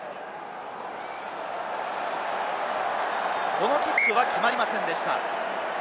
このキックは決まりませんでした。